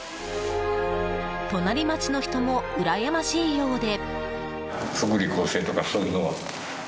隣町の人もうらやましいようで。